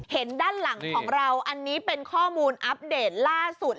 ด้านหลังของเราอันนี้เป็นข้อมูลอัปเดตล่าสุด